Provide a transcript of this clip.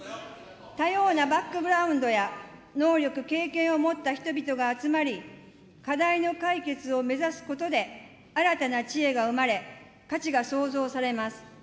多様なバックグラウンドや能力、経験を持った人々が集まり、課題の解決を目指すことで、新たな知恵が生まれ、価値が創造されます。